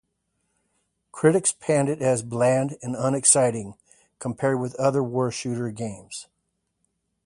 Critics panned it as bland and unexciting, compared with other war shooter games.